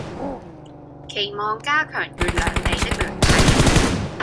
期望加強與兩地的聯繫